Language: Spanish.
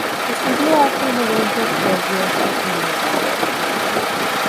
Estudió arte en el Hunter College en Nueva York.